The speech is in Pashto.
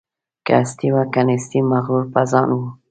که هستي وه که نیستي مغرور په ځان وو